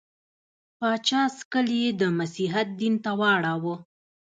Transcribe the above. پاچا سکل یې د مسیحیت دین ته واړاوه.